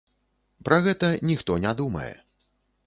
Пра гэта ніхто не думае.